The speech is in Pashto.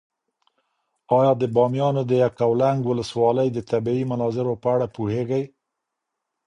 ایا د بامیانو د یکاولنګ ولسوالۍ د طبیعي مناظرو په اړه پوهېږې؟